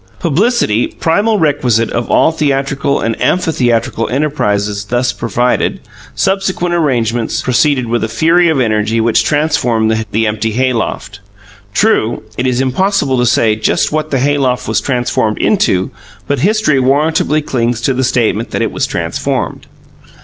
"Publicity," primal requisite of all theatrical and amphitheatrical enterprise thus provided, subsequent arrangements proceeded with a fury of energy which transformed the empty hayloft. True, it is impossible to say just what the hay loft was transformed into, but history warrantably clings to the statement that it was transformed.